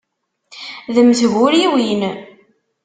D mm tguriwin.